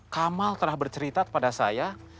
kamal telah bercerita kepada saya